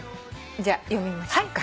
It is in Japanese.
じゃあ読みましょうか。